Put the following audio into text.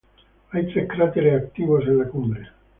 Hay tres cráteres activos en la cumbre.